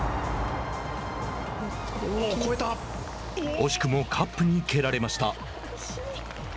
惜しくもカップに蹴られました。